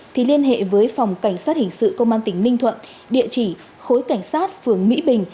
thì liên hệ với phòng cảnh sát hình sự công an tỉnh ninh thuận địa chỉ khối cảnh sát phường mỹ bình